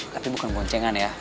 tapi bukan goncengan ya